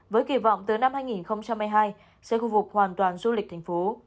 với kỳ vọng tới năm hai nghìn hai mươi hai sẽ khu vục hoàn toàn du lịch thành phố